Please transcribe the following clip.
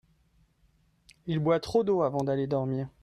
il boit trop d'eau avant d'aller dormir.